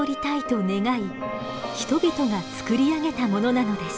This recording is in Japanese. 人々が作り上げたものなのです。